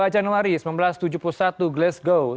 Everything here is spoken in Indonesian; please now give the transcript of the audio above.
dua puluh januari seribu sembilan ratus tujuh puluh satu glasgow